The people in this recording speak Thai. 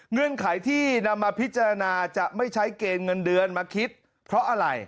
เงื่อนไขที่นำมาพิจารณาจะไม่ใช้เกณฑ์เงินเดือนมาคิดเพราะอะไร